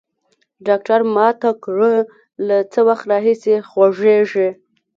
ډاکتر ما ته کړه له څه وخت راهيسي خوږېږي.